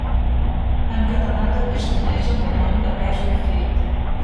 En català també es coneix amb el nom de pèsol fi.